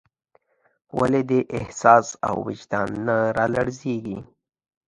ولې دې احساس او وجدان نه رالړزېږي.